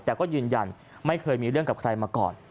แต่ก็ยืนยันไม่เคยมีเรื่องกับใครมาก่อน